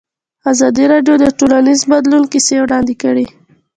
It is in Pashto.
ازادي راډیو د ټولنیز بدلون کیسې وړاندې کړي.